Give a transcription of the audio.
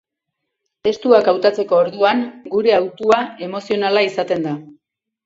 Testuak hautatzeko orduan, gure hautua emozionala izaten da.